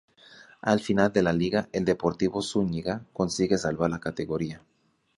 Al final de la liga, el Deportivo Zúñiga consigue salvar la categoría.